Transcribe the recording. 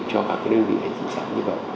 cho các đơn vị hành chính xã như vậy